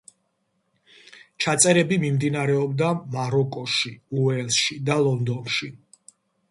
ჩაწერები მიმდინარეობდა მაროკოში, უელსში და ლონდონში.